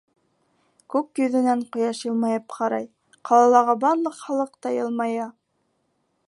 Күк йөҙөнән ҡояш йылмайып ҡарай, ҡалалағы барлыҡ халыҡ та йылмая.